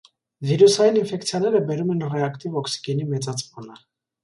Վիրուսային ինֆեկցիաները բերում են ռեակտիվ օքսիգենի մեծացմանը։